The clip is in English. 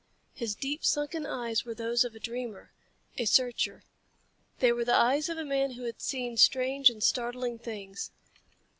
His deep sunken eyes were those of a dreamer, a searcher. They were the eyes of a man who had seen strange and startling things.